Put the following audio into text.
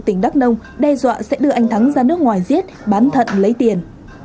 tỉnh đắk nông đe dọa sẽ đưa anh thắng ra nước ngoài giết bán thận lấy tiền